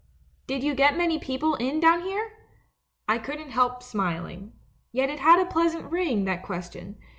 Did you get many people in down here?' "I couldn't help smiling. Yet it had a pleas ant ring, that question.